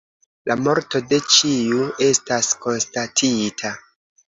La morto de ĉiu estas konstatita.